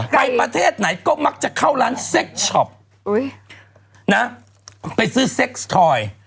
ประเทศไหนก็มักจะเข้าร้านเซ็กช็อปไปซื้อเซ็กสทอย